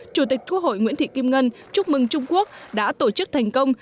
chủ tịch quốc hội nguyễn thị kim ngân chúc mừng trung quốc đã tổ chức thành công